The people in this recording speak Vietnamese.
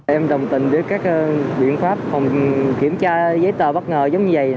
em đồng tình với các biện pháp phòng kiểm tra giấy tờ bất ngờ giống như vậy